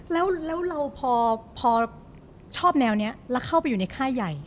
แล้วเราพอชอบแนวนี้แล้วเข้าไปอยู่ในค่ายใหญ่